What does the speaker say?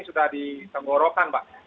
sudah ditenggorokan mbak